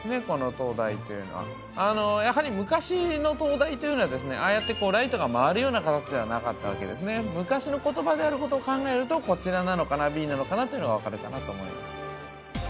この灯台というのはやはり昔の灯台というのはですねああやってライトが回るような形ではなかったわけですね昔の言葉であることを考えるとこちらなのかなＢなのかなというのは分かるかなと思います